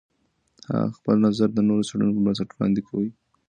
هغه خپل نظر د نوو څېړنو پر بنسټ وړاندې کوي.